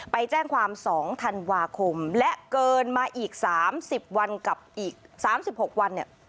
ไปแจ้งความ๒ธันวาคมและเกินมาอีก๓๐วันกับอีก๓๖วันเนี่ย